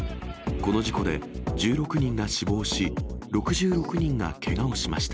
この事故で、１６人が死亡し、６６人がけがをしました。